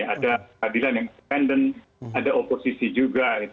ada adilan yang dependent ada oposisi juga